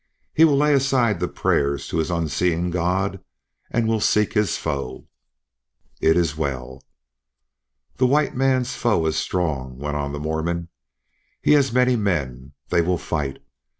He will lay aside the prayers to his unseeing God, and will seek his foe." "It is well." "The white man's foe is strong," went on the Mormon; "he has many men, they will fight.